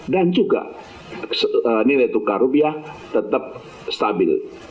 dan juga nilai tukar rupiah tetap stabil